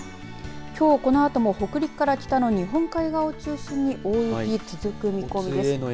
きょう、このあとも北陸から北の日本海側を中心に大雪、続く見込みです。